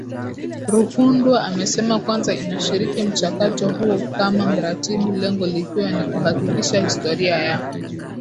Ruhundwa amesema Kwanza inashiriki mchakato huo kama mratibu lengo likiwa ni kuhakikisha historia ya